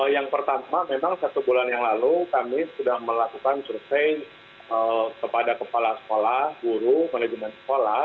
yang pertama memang satu bulan yang lalu kami sudah melakukan survei kepada kepala sekolah guru manajemen sekolah